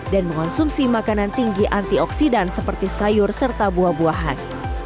dan mengonsumsi makanan tinggi antioksidan seperti sayur serta buah buahan